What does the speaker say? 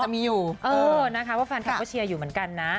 ขอบคุณทุกคนนะครับว่าแฟนคลับเข้าเชียร์อยู่เหมือนกันนะ